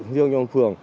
riêng nhân phường